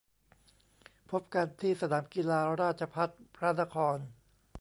พบกันที่สนามกีฬา ราชภัฏพระนคร !